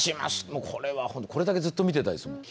これはほんとこれだけずっと見てたいですもん。